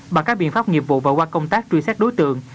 bằng các biện pháp nghiệp vụ và qua công tác truy xét đối tượng